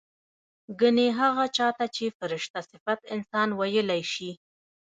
ګنې هغه چا ته چې فرشته صفت انسان وييلی شي